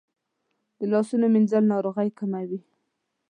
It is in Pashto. د لاسونو مینځل ناروغۍ کموي.